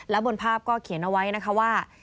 และบนภาพก็เขียนเอาไว้นะคะว่า